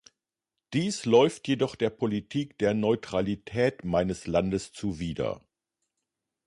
Dies läuft jedoch der Politik der Neutralität meines Landes zuwider.